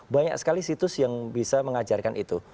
banyak sekali situs yang bisa mengajarkan itu